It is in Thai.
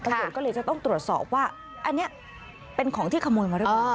ตำรวจก็เลยจะต้องตรวจสอบว่าอันนี้เป็นของที่ขโมยมาหรือเปล่า